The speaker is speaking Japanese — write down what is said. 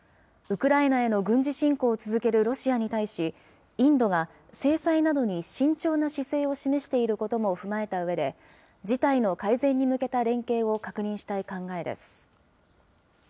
ウクライナへの軍事侵攻を続けるロシアに対し、インドが制裁などに慎重な姿勢を示していることも踏まえたうえで、事態の改善に向けた連携を確認したい考えです。